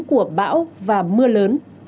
của bão và mưa lớn